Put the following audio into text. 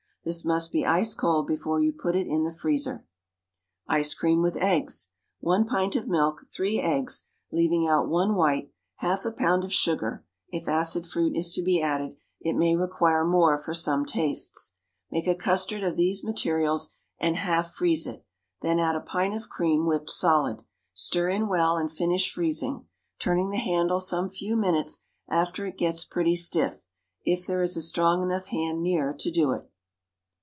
This must be ice cold before you put it in the freezer. Ice Cream with Eggs. One pint of milk, three eggs, leaving out one white, half a pound of sugar (if acid fruit is to be added, it may require more for some tastes). Make a custard of these materials, and half freeze it; then add a pint of cream whipped solid. Stir in well and finish freezing, turning the handle some few minutes after it gets pretty stiff, if there is a strong enough hand near to do it.